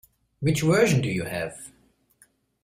Which version do you have?